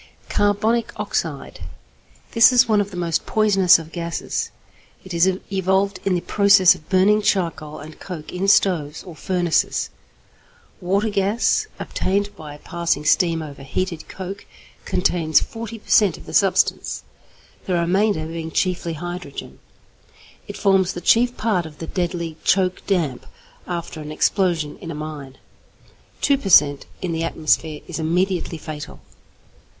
=Carbonic Oxide.= This is one of the most poisonous of gases. It is evolved in the process of burning charcoal and coke in stoves or furnaces. Water gas, obtained by passing steam over heated coke, contains 40 per cent. of the substance, the remainder being chiefly hydrogen. It forms the chief part of the deadly 'choke damp' after an explosion in a mine. Two per cent. in the atmosphere is immediately fatal.